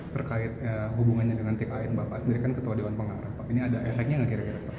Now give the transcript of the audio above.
terkait hubungannya dengan tan bapak sendiri kan ketua dewan pengarah ini ada efeknya nggak kira kira pak